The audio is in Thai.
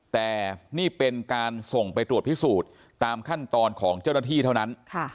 แต่นี่เป็นการส่งไปตรวจพิสูจน์ตามขั้นตอนของเจ้าหน้าที่เท่านั้น